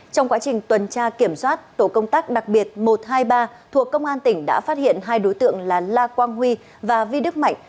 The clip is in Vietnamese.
trong quá trình tuần tra kiểm soát tổ công tác đặc biệt một trăm hai mươi ba thuộc công an tỉnh đã phát hiện hai đối tượng là la quang huy và vi đức mạnh